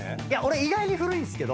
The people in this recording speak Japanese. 意外に古いんすけど。